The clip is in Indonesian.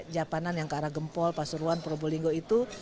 japanan yang ke arah gempol pasuruan probolinggo itu